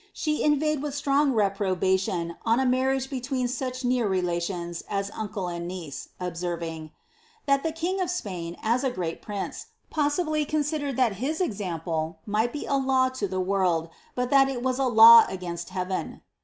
She inveighed with strong repr —— a marriage between aueli nev relnlionH as uncle and niere, nbsen'iiiu, " llial the king of Spiiln, ^• great prince, possibly conaidereil that his example might be a law to the world, but that it was a law against Heaven."